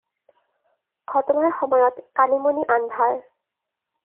ঘটনাৰ সময়ত কাণি-মুনি আন্ধাৰ।